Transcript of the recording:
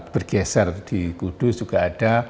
bergeser di kudus juga ada